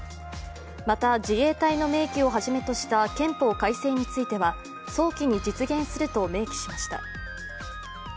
また、自衛隊の明記をはじめとした憲法改正については早期に実現すると明記しました。